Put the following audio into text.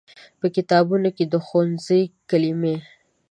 په کتابونو کې د ښوونځي کلمې